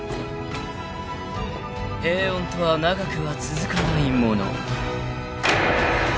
［平穏とは長くは続かないもの］